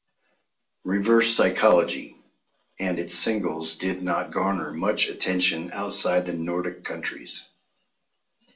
"Reverse Psychology" and its singles did not garner much attention outside the Nordic countries.